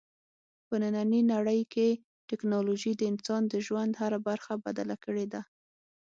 په نننۍ نړۍ کې ټیکنالوژي د انسان د ژوند هره برخه بدله کړې ده.